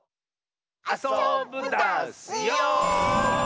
あそぶダスよ！